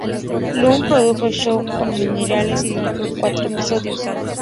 Lund produjo el show con Meirelles y dirigió cuatro episodios.